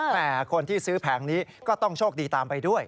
คนที่ซื้อแผงนี้ก็ต้องโชคดีตามไปด้วย